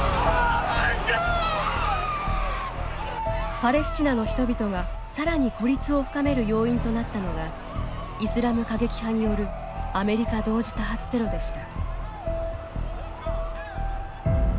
パレスチナの人々が、さらに孤立を深める要因となったのがイスラム過激派によるアメリカ同時多発テロでした。